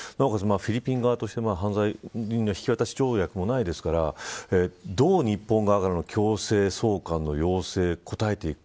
フィリピン側としては犯罪人引き渡し条約もありませんからどう、日本側からの強制送還の要請に応えていくか